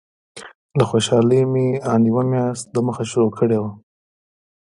له خوشالۍ مې ان یوه میاشت دمخه شروع کړې وه.